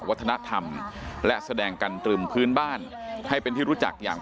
วัฒนธรรมและแสดงกันตรึมพื้นบ้านให้เป็นที่รู้จักอย่าง